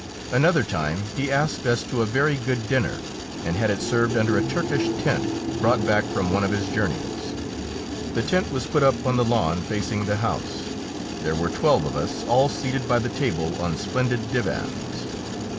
Another time he asked us to a very good dinner, and had it served under a Turkish tent brought back from one of his journeys. The tent was put up on the lawn facing the house. There were twelve of us, all seated by the table on splendid divans.